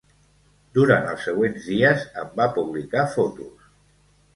Durant els següents dies en va publicar fotos.